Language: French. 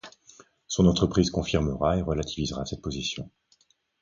Son entreprise confirmera et relativisera cette position.